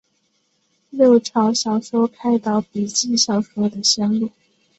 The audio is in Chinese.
六朝小说开导笔记小说的先路。